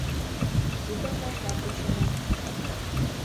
Кидым вашла кучена.